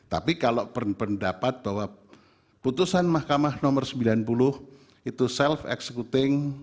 tapi kalau berpendapat bahwa putusan mahkamah nomor sembilan puluh itu self executing